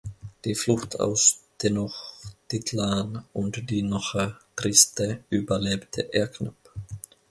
Die Flucht aus Tenochtitlan und die Noche Triste überlebte er knapp.